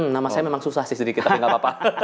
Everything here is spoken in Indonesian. nama saya memang susah sih sedikit tapi gak apa apa